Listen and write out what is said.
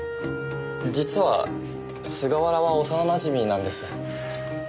実は菅原は幼なじみなんです。